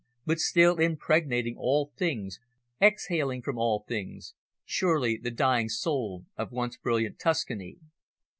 but still impregnating all things, exhaling from all things surely the dying soul of once brilliant Tuscany.